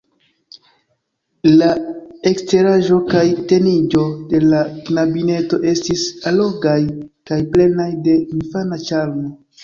La eksteraĵo kaj teniĝo de la knabineto estis allogaj kaj plenaj de infana ĉarmo.